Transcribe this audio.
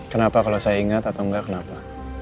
kenapa kalau saya ingat atau enggak kenapa